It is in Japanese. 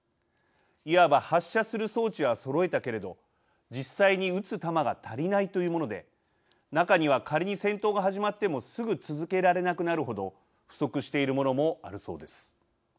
いわば発射する装置はそろえたけれど、実際に撃つ弾が足りないというもので中には仮に戦闘が始まってもすぐ続けられなくなるほど不足しているものもあるそうです。